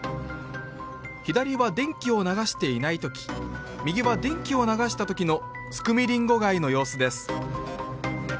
左は電気を流していない時右は電気を流した時のスクミリンゴガイの様子です